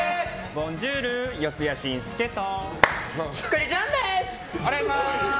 ボンジュール、四谷真佑と。